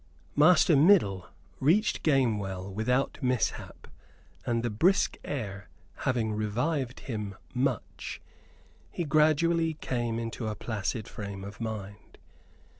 Master Middle reached Gamewell without mishap; and the brisk air having revived him much, he gradually came into a placid frame of mind.